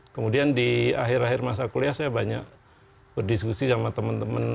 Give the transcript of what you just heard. kemudian di akhir akhir masa kuliah saya banyak berdiskusi sama teman teman